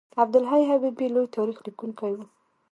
عبدالحی حبیبي لوی تاریخ لیکونکی و.